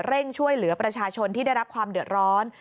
เร่งช่วยเหลือประชาชนที่ได้รับความเดือดร้อน